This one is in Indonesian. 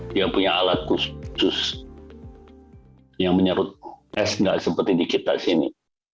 dia punya alat khusus yang menyerut es tidak seperti di kita sini